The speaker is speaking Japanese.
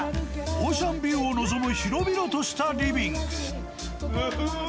オーシャンビューを望む広々としたリビング。